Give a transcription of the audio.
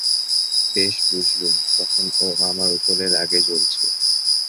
বেশ বুঝলুম, তখন ও আমার উপরে রাগে জ্বলছে।